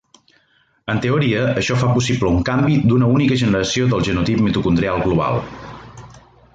En teoria, això fa possible un canvi d'una única generació del genotip mitocondrial global.